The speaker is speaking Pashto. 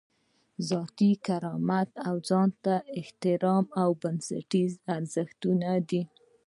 ذاتي کرامت او ځان ته احترام بنسټیز ارزښتونه دي.